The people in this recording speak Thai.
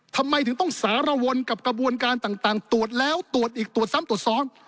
ทำไมถึงต้องสารวนกับกระบวนการต่างตรวจแล้วตรวจอีกตรวจซ้ำตรวจซ้ำ